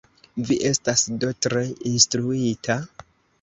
Vi estas do tre instruita?